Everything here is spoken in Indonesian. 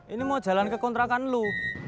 ini mau jalan ke kontrakan lu